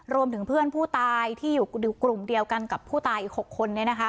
รวมถึงเพื่อนผู้ตายที่อยู่กลุ่มเดียวกันกับผู้ตายอีก๖คน